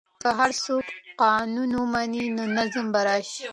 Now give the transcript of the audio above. که هر څوک قانون ومني نو نظم به راسي.